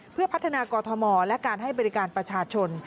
เพื่อพัฒนากอทมและการให้บริการประชาชน